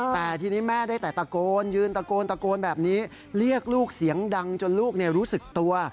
แต่ทีนี้แม่ได้แต่ตะโกนยืนตะโกนตะโกนแบบนี้เรียกลูกเสียงดังจนลูกรู้สึกตัว